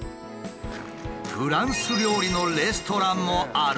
フランス料理のレストランもある。